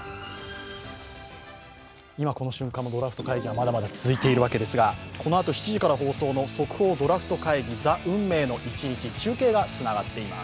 今この瞬間もドラフト会議はまだまだ続いているよわけですが、このあと７時から放送の「速報ドラフト会議ＴＨＥ運命の１日」中継がつながっています。